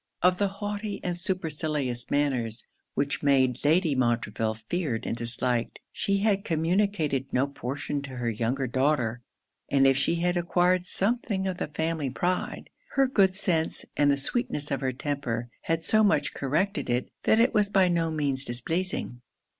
Of the haughty and supercilious manners which made Lady Montreville feared and disliked, she had communicated no portion to her younger daughter; and if she had acquired something of the family pride, her good sense, and the sweetness of her temper, had so much corrected it, that it was by no means displeasing.